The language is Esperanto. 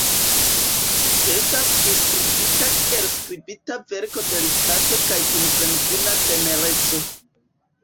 Estas priskribita kiel skribita verko delikate kaj kun senfina tenereco.